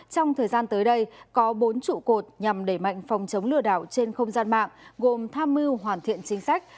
trong thời gian tới đây có bốn trụ cột nhằm đẩy mạnh phòng chống lừa đảo trên không gian mạng gồm tham mưu hoàn thiện chính sách